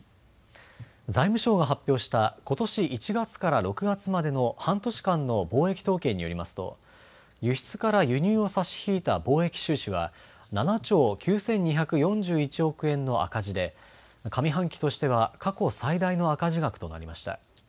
財務省が発表したことし１月から６月までの半年間の貿易統計によりますと輸出から輸入を差し引いた貿易収支は７兆９２４１億円の赤字で上半期としては過去最大の赤字額となりました。